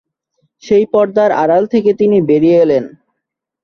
সেই পর্দার আড়াল থেকে তিনি বেরিয়ে এলেন।